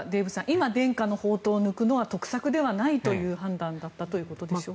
今、伝家の宝刀を抜くのは得策ではないという判断だったということでしょうか。